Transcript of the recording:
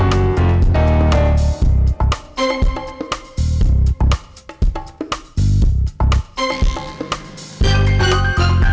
putih hilangan boya merlava dong